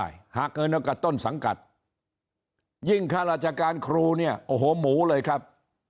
หากเกินโอกาสต้นสังกัดยิ่งข้าราชการครูเนี่ยโอ้โหหมูเลยครับ